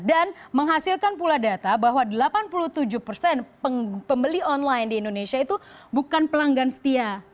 dan menghasilkan pula data bahwa delapan puluh tujuh persen pembeli online di indonesia itu bukan pelanggan setia